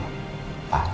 ketolak dulu ya